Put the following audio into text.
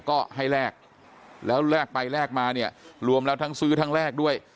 ก็ให้แลกแล้วแลกไปแลกมาเนี่ยรวมแล้วทั้งซื้อทั้งแรกด้วย